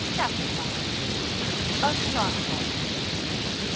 CHAPTER v. A SARCASM.